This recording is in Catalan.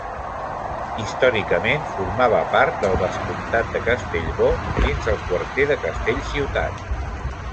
Històricament formava part del vescomtat de Castellbò, dins el quarter de Castellciutat.